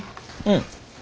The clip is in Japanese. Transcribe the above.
うん。